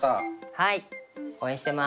はい応援してます。